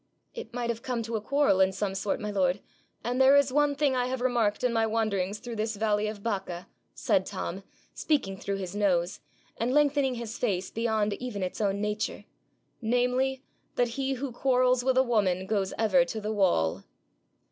'It might have come to a quarrel in some sort, my lord; and there is one thing I have remarked in my wanderings through this valley of Baca' said Tom, speaking through his nose, and lengthening his face beyond even its own nature, 'namely, that he who quarrels with a woman goes ever to the wall.'